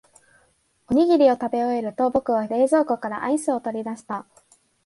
おにぎりを食べ終えると、僕は冷凍庫からアイスを取り出した。